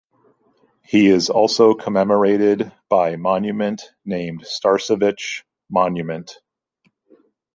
He is also commemorated by monument named "Starcevich Monument".